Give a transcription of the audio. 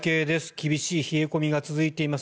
厳しい冷え込みが続いています